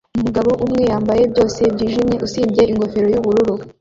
Umugabo umwe yambaye byose byijimye usibye ingofero yubururu